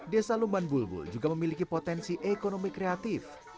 desa lumban bulbul juga memiliki potensi ekonomi kreatif